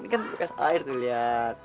ini kan bukan air tuh liat